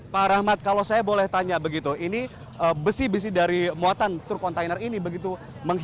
pak rahmat kalau saya boleh tanya begitu ini besi besi dari muatan tur kontainer ini begitu